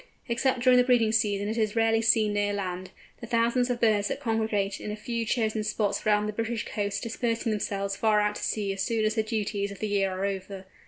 Except during the breeding season it is rarely seen near land, the thousands of birds that congregate in a few chosen spots round the British coasts dispersing themselves far out to sea as soon as the duties of the year are over.